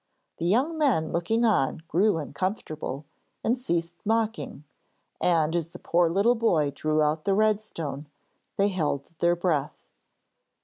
The young men looking on grew uncomfortable and ceased mocking, and as the poor little boy drew out the red stone, they held their breath.